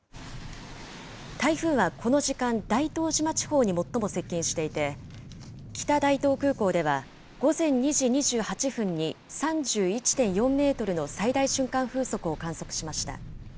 台風はこの時間、大東島地方に最も接近していて、北大東空港では午前２時２８分に３１．４メートルの最大瞬間風速を観測しました。